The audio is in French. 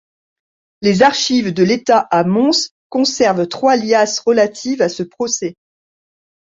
Les Archives de l'État à Mons conservent trois liasses relatives à ce procès.